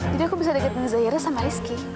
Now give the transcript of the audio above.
jadi aku bisa deketin zahira sama rizky